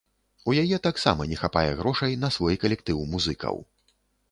У яе таксама не хапае грошай на свой калектыў музыкаў.